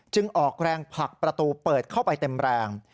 ออกแรงผลักประตูเปิดเข้าไปเต็มแรง